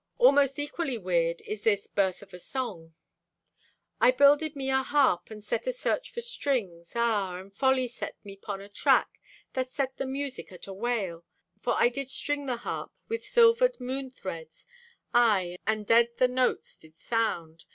Almost equally weird is this "Birth of a Song": I builded me a harp, And set asearch for strings. Ah, and Folly set me 'pon a track That set the music at a wail; For I did string the harp With silvered moon threads; Aye, and dead the notes did sound.